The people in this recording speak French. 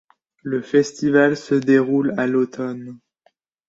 Le festival se déroule à l'automne.